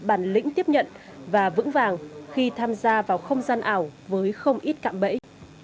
bản lĩnh tiếp nhận và vững vàng khi tham gia vào không gian ảo với không ít cạm bẫy